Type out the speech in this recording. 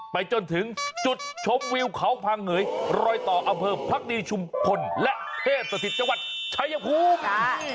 ไปจนถึงจุดชมวิวเขาผ่างเหยรอยต่ออเบอร์พรรคดีชุมคนและเพศสถิติจังหวัดชายภูมิ